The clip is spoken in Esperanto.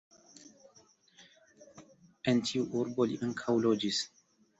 En tiu urbo li ankaŭ loĝis.